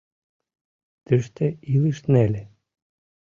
— Тыште илыш неле.